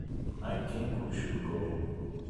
I think we should go.